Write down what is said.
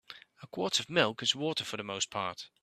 A quart of milk is water for the most part.